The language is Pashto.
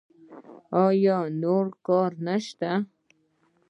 ایا نور کار نشته؟